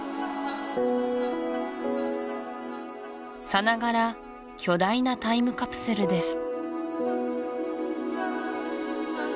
さながら巨大なタイムカプセルです